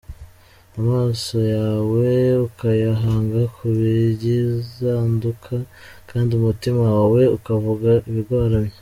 Amaso yawe ukayahanga ku by’izanduka, kandi umutima wawe ukavuga ibigoramye.